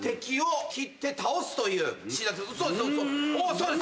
そうです。